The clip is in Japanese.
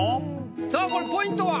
さあこれポイントは？